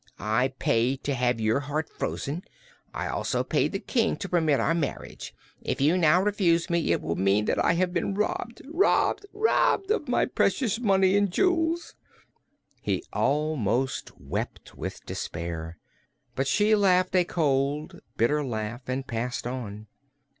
I paid to have your heart frozen; I also paid the King to permit our marriage. If you now refuse me it will mean that I have been robbed robbed robbed of my precious money and jewels!" He almost wept with despair, but she laughed a cold, bitter laugh and passed on.